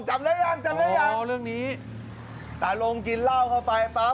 จำได้ยังอ๋อเรื่องนี้ตาโรงกินลาวเข้าไปปั๊บ